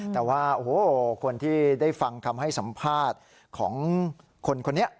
แต่ว่าโอ้โหคนที่ได้ฟังคำให้สัมภาษณ์ของคนคนนี้